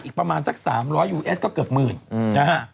อีกประมาณสัก๓๐๐ยูเอสก็เกือบหมื่นนะฮะ